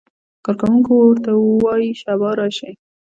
کارکوونکی ورته وایي سبا راشئ.